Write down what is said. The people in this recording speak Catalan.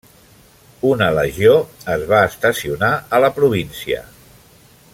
Una legió es va estacionar a la província.